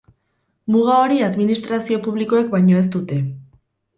Muga hori administrazio publikoek baino ez dute.